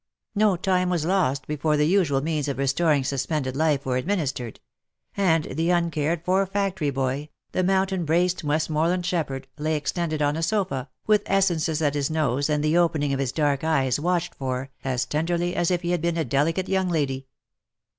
No time was lost before the usual means of restoring suspended life were administered ; and the uncared for factory boy, the moun OF MICHAEL ARMSTRONG. 323 tain braced Westmorland shepherd, lay extended on a sofa, with essences at his nose, and the opening of his dark eyes watched for, as tenderly as if he had been a delicate young lady.